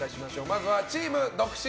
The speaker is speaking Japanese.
まずはチーム独身。